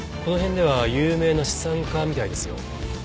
この辺では有名な資産家みたいですよ